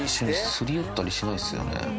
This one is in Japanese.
すり寄ったりしないですよね。